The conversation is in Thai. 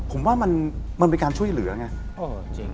ผมว่ามันเป็นการช่วยเหลือไง